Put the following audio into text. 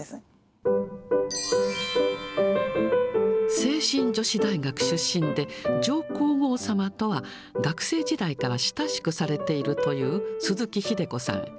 聖心女子大学出身で、上皇后さまとは、学生時代から親しくされているという鈴木秀子さん。